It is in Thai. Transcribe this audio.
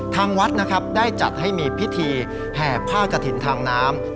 ทางวัดได้จัดให้มีพิธีแห่ผ้ากะถินทางน้ำ